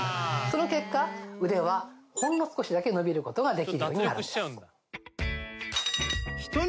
その結果腕はほんの少しだけ伸びることができるようになる。